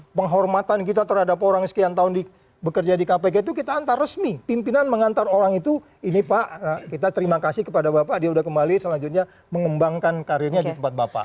karena hormatan kita terhadap orang yang sekian tahun di bekerja di kpk itu kita antar resmi pimpinan mengantar orang itu ini pak kita terima kasih kepada bapak dia udah kembali selanjutnya mengembangkan karirnya di tempat bapak